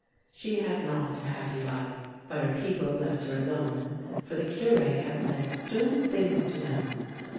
She had not a happy life, but her people left her alone, for the Cure had said stern things to them.